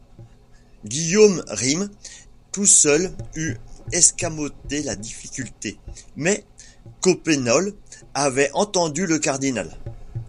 Guillaume Rym tout seul eût escamoté la difficulté ; mais Coppenole avait entendu le cardinal.